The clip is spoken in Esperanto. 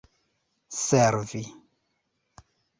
servi